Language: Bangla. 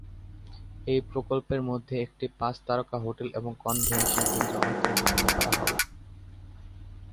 এই প্রকল্পের মধ্যে একটি পাঁচ তারকা হোটেল এবং কনভেনশন কেন্দ্র অন্তর্ভুক্ত করা হবে।